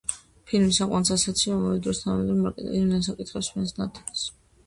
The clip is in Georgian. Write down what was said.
ფილმი საკმაოდ სასაცილოა და ამავე დროს თანამედროვე მარკეტინგის ბნელ საკითხებს ჰფენს ნათელს.